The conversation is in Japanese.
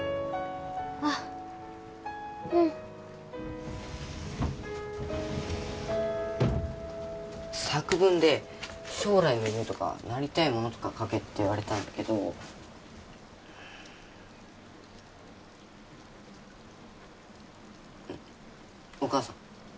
あッうん作文で将来の夢とかなりたいものとか書けって言われたんだけどお母さん？